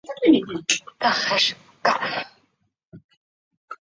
新君主仍然需要一个合适的丈夫。